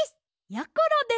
やころです！